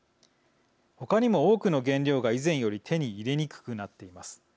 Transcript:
ほかにも多くの原料が以前より手に入れにくくなっています。